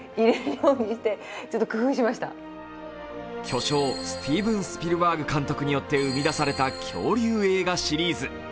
巨匠、スティーブン・スピルバーグ監督によって生み出された恐竜映画シリーズ。